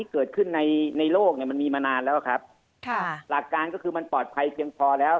เกิดขึ้นในในโลกเนี่ยมันมีมานานแล้วครับค่ะหลักการก็คือมันปลอดภัยเพียงพอแล้ว